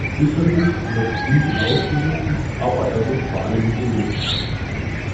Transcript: Sicherlich wird Frieden ausgerufen, aber er wird vor allem gelebt!